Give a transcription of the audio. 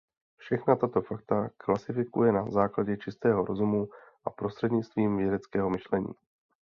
Všechna tato fakta klasifikuje na základě čistého rozumu a prostřednictvím vědeckého myšlení.